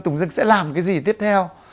tùng dương sẽ làm cái gì tiếp theo